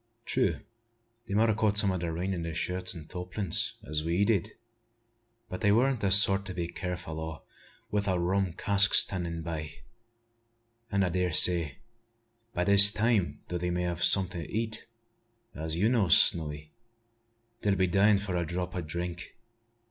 True, they mout a caught some o' the rain in their shirts and tarpaulins, as we did; but they weren't the sort to be careful o' it wi' a rum cask standin' by; an' I dar say, by this time, though they may have some'at to eat, as you knows, Snowy, they'll be dyin' for a drop o' drink.